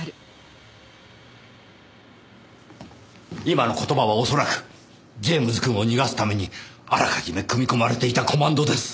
今の言葉は恐らくジェームズくんを逃がすためにあらかじめ組み込まれていたコマンドです。